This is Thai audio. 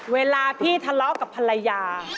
เวลาพี่ทะเลาะกับภรรยา